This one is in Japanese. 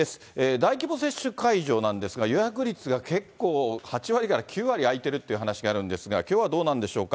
大規模接種会場なんですが、予約率が結構、８割から９割、空いているっていう話があるんですが、きょうはどうなんでしょうか。